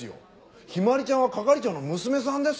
陽葵ちゃんは係長の娘さんですよ。